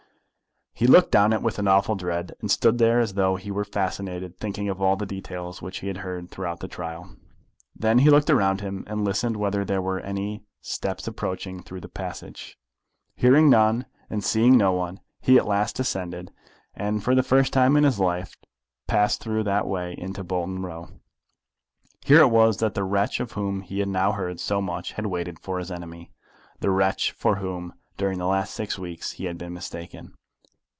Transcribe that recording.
He looked down it with an awful dread, and stood there as though he were fascinated, thinking of all the details which he had heard throughout the trial. Then he looked around him, and listened whether there were any step approaching through the passage. Hearing none and seeing no one he at last descended, and for the first time in his life passed through that way into Bolton Row. Here it was that the wretch of whom he had now heard so much had waited for his enemy, the wretch for whom during the last six weeks he had been mistaken.